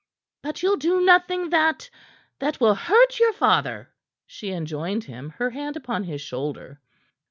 "But you'll do nothing that that will hurt your father?" she enjoined him, her hand upon his shoulder.